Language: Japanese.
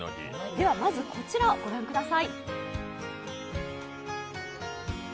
まず、こちらを御覧ください。